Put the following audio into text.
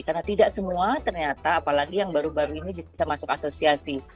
karena tidak semua ternyata apalagi yang baru baru ini bisa masuk asosiasi